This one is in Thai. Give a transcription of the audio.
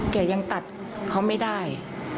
แกยังตัดเขาไม่ได้